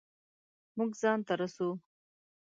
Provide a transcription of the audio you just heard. مونږ ځان ته رسو